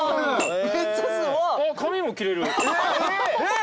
えっ！